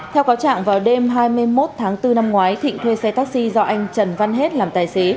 theo cáo trạng vào đêm hai mươi một tháng bốn năm ngoái thịnh thuê xe taxi do anh trần văn hết làm tài xế